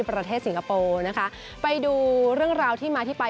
ประเทศสิงคโปร์ไปดูเรื่องราวที่มาที่ไป